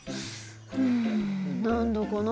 うん何だかな。